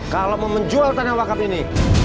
kalau mau menjual tanah wakaf ini